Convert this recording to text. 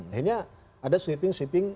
akhirnya ada sweeping sweeping